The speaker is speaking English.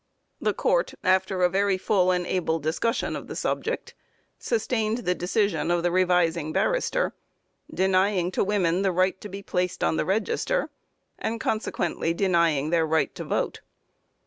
The court, after a very full and able discussion of the subject, sustained the decision of the revising barrister, denying to women the right to be placed on the register, and consequently denying their right to vote.